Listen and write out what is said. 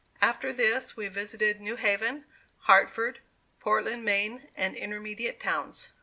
After this we visited New Haven, Hartford, Portland, Me., and intermediate towns.